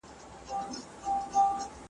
خو چي پام یې سو څلورو نرۍ پښو ته .